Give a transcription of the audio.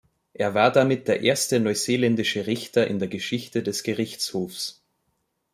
Er war damit der erste neuseeländische Richter in der Geschichte des Gerichtshofs.